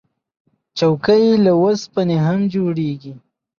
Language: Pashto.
چوکۍ له اوسپنې هم جوړیږي.